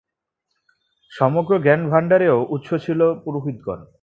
সমগ্র জ্ঞানভাণ্ডারেরও উৎস ছিল পুরোহিতশ্রেণী।